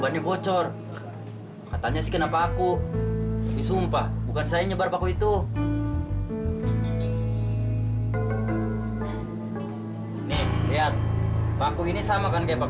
udah ngomong aja bang kasih tahu siapa orangnya